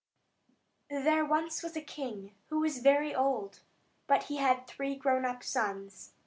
There was once a king, who was very old; but he had three grown up sons.